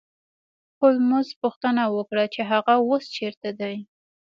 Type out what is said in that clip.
هولمز پوښتنه وکړه چې هغه اوس چیرته دی